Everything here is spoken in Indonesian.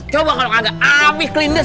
coba kalau gak api ke lindas